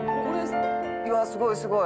「いやすごいすごい。